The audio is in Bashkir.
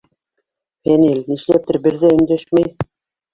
— Фәнил, нишләптер, бер ҙә өндәшмәй.